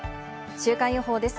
週間予報です。